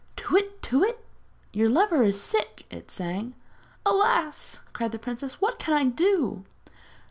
'Tu whit, tu whit! your lover is sick!' it sang. 'Alas!' cried the princess. 'What can I do?'